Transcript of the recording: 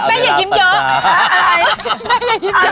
อย่ายิ้มเยอะ